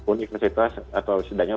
universitas atau sedangnya